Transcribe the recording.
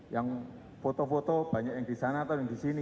yang foto foto banyak yang di sana atau yang di sini